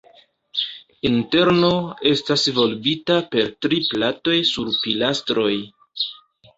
Interno estas volbita per tri platoj sur pilastroj.